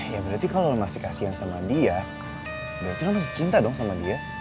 ya berarti kalau masih kasian sama dia berarti lo masih cinta dong sama dia